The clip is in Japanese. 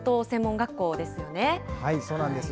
そうなんです。